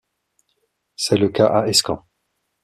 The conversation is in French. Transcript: C'est le cas à Escamps.